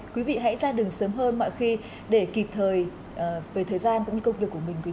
quý vị hãy ra đường sớm hơn mọi khi để kịp thời về thời gian cũng như công việc của mình quý vị